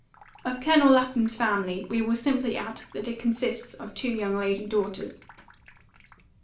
Of Colonel Lapham's family, we will simply add that it consists of two young lady daughters.